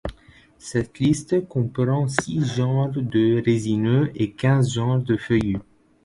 Cette liste comprend six genres de résineux et quinze genre de feuillus.